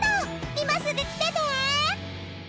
今すぐ来てね！